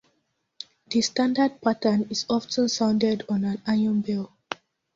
The standard pattern is often sounded on an iron bell.